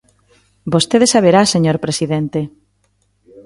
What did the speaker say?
Vostede saberá, señor presidente.